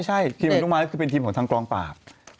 ใช่ทีมฮานุมานก็คือทีมของทางกรองปาก